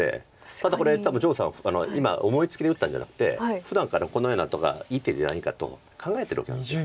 ただこれ多分張栩さんは今思いつきで打ったんじゃなくてふだんからこのようなとこがいい手じゃないかと考えてるわけなんです。